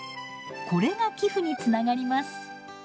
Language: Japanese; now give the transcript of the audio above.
これが寄付につながります。